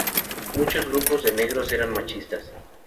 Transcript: Muchos grupos de negros eran machistas.